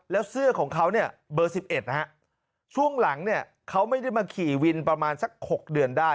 แล้วเสื้อของเขาเนี่ยเบอร์๑๑นะฮะช่วงหลังเนี่ยเขาไม่ได้มาขี่วินประมาณสัก๖เดือนได้